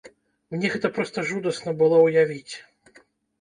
Мне гэта проста жудасна было ўявіць.